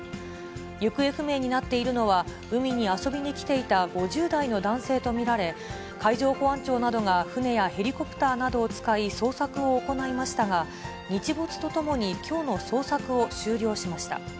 行方不明になっているのは、海に遊びに来ていた５０代の男性と見られ、海上保安庁などが船やヘリコプターなどを使い、捜索を行いましたが、日没とともに、きょうの捜索を終了しました。